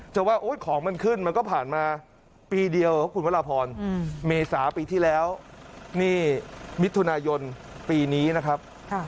จะว่าของมันขึ้นมันก็ผ่านมาปีเดียวครับคุณพระราพรเมษาปีที่แล้วนี่มิถุนายนปีนี้นะครับ